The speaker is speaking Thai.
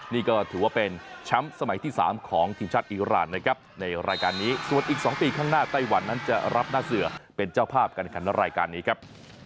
นี่ก็ถือว่าเป็นแชมป์สมัยที่๓ของทีมชาติอีรานนะครับในรายการนี้ส่วนอีก๒ปีข้างหน้าไต้หวันนั้นจะรับหน้าเสือเป็นเจ้าภาพการขันรายการนี้ครับ